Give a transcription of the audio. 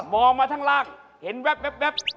องมาข้างล่างเห็นแว๊บ